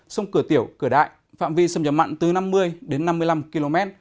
sông cửa tiểu cửa đại phạm vi sâm nhập mặn từ năm mươi đến năm mươi năm km